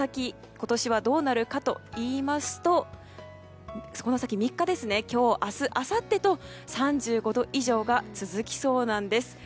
今年はどうなるかといいますとこの先３日今日、明日、あさってと３５度以上が続きそうです。